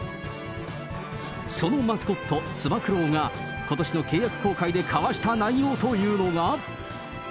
そのマスコット、つば九郎がことしの契約更改で交わした内容というのが。